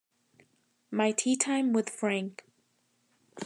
"My tea time with Frank"